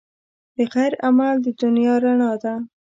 د خیر عمل د دنیا رڼا ده.